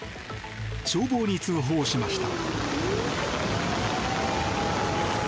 消防に通報しました。